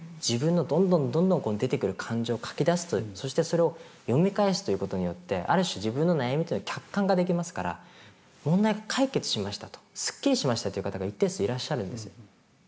自分のどんどんどんどん出てくる感情を書き出すとそしてそれを読み返すということによってある種自分の悩みというのを客観化できますから問題が解決しましたとすっきりしましたという方が一定数いらっしゃるんです。